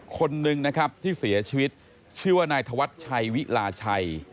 คนหนึ่งนะครับที่เสียชีวิตชื่อว่านายธวัชชัยวิลาชัย